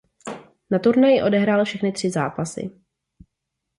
Na turnaji odehrál všechny tři zápasy.